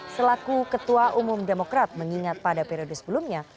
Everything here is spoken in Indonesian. selaku ketua umum demokrat mengingat pada periode sebelumnya